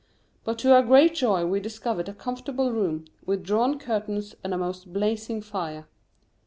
But to our great joy we discovered a comfortable room, with drawn curtains and a most blazing fire.